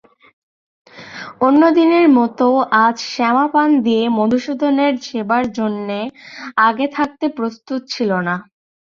অন্যদিনের মতো আজ শ্যামা পান নিয়ে মধুসূদনের সেবার জন্যে আগে থাকতে প্রস্তুত ছিল না।